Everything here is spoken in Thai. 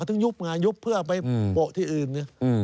ถึงยุบไงยุบเพื่อไปโปะที่อื่น